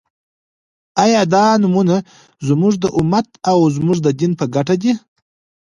آیا دا نومؤنه زموږ د امت او زموږ د دین په ګټه ده؟